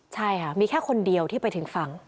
ใช่ค่ะมีแค่คนเดียวที่ไปถึงฝั่ง